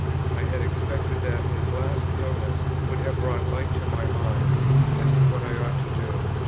I had expected that his last illness would have brought light to my mind, as to what I ought to do.